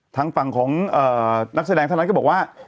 ทางฝั่งของนักแสดงเท่านั้นก็บอกว่า